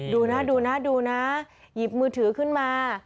ดูนะดูนะดูนะหยิบมือถือขึ้นมา